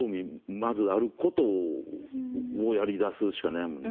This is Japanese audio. まずあることをやりだすしかないもんね。